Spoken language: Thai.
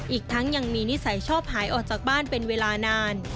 อีกทั้งยังมีนิสัยชอบหายออกจากบ้านเป็นเวลานาน